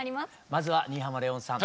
まずは新浜レオンさん